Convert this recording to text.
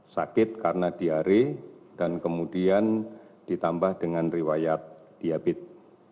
sakit karena diare dan kemudian ditambah dengan riwayat diabetes